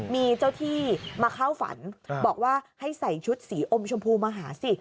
มีเจ้าที่มาเข้าฝันบอกว่าให้ใส่ชุดสีอมชมพูมาหาสิ